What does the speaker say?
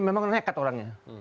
memang nekat orangnya